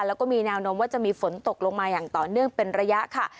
แล้วก็มีแนวโน้มว่าจะมีฝนตกลงมาอย่างต่อเนื่องเป็นระยะค่ะ